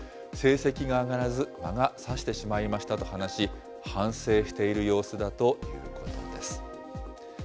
成績が上がらず、魔が差してしまいましたと話し、反省している様子だということです。